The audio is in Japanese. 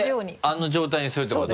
あの状態にするってこと？